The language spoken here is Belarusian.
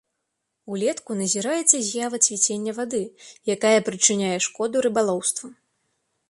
Улетку назіраецца з'ява цвіцення вады, якая прычыняе шкоду рыбалоўству.